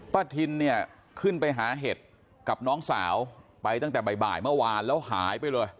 ทินเนี่ยขึ้นไปหาเห็ดกับน้องสาวไปตั้งแต่บ่ายเมื่อวานแล้วหายไปเลย